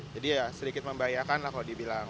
jadi ya sedikit membahayakan lah kalau dibilang